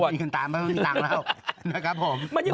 พ่อมีเงินตามพ่อไม่มีเงินตามแล้วนะครับผม